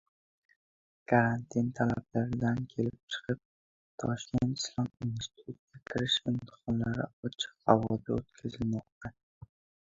Karantin talablaridan kelib chiqib Toshkent islom institutida kirish imtihonlari ochiq havoda o‘tkazilmoqda.